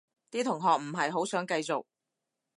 啲同學唔係好想繼續